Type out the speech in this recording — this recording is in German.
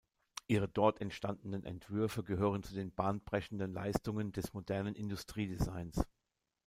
Ihre dort entstandenen Entwürfe gehören zu den bahnbrechenden Leistungen des modernen Industriedesigns.